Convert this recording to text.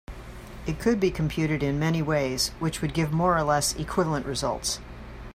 It could be computed in many ways which would give more or less equivalent results.